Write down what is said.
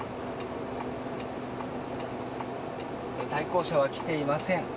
対向車は来ていません。